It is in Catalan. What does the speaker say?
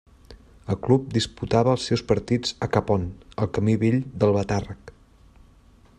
El club disputava els seus partits a Cappont, al camí vell d'Albatàrrec.